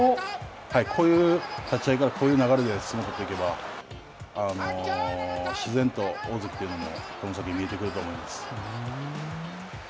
はい、こういう立ち合いからこういう流れで相撲を取っていけば、自然と大関というのもこの先、見えてくると思います。